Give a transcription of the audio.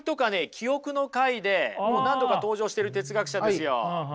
記憶の回で何度か登場している哲学者ですよ。